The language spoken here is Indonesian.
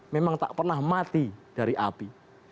memang tak pernah mati dari api